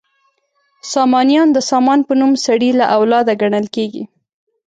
سامانیان د سامان په نوم سړي له اولاده ګڼل کیږي.